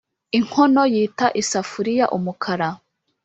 inkono yita isafuriya umukara